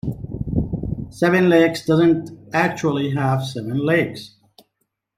Seven Lakes does not actually have seven lakes.